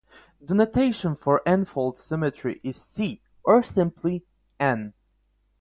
The notation for "n"-fold symmetry is C or simply "n".